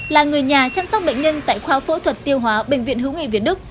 là người nhà chăm sóc bệnh nhân tại khoa phẫu thuật tiêu hóa bệnh viện hữu nghị việt đức